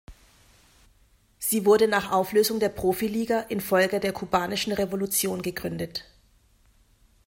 Sie wurde nach Auflösung der Profiliga infolge der kubanischen Revolution gegründet.